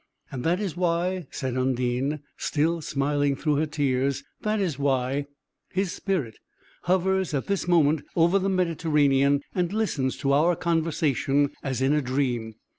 "And that is why," said Undine, still smiling through her tears, "that is why his spirit hovers at this moment over the Mediterranean, and listens to our conversation as in a dream.